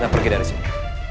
tante laura ada di sini